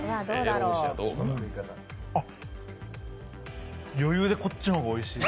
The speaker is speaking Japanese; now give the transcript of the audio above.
あっ、余裕でこっちのがおいしい。